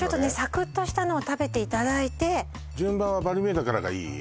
サクッとしたのを食べていただいて順番はバルミューダからがいい？